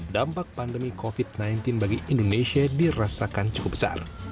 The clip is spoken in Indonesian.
dampak pandemi covid sembilan belas bagi indonesia dirasakan cukup besar